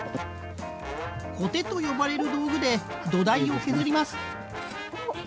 コテと呼ばれる道具で土台を削ります。